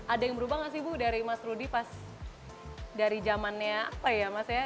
ada yang berubah gak sih bu dari mas rudy pas dari zamannya apa ya mas ya